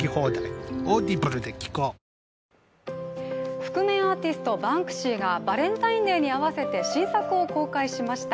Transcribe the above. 覆面アーティスト・バンクシーがバレンタインデーに合わせて新作を公開しました。